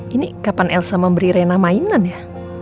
ini kapan elsa memberi rena mainan ya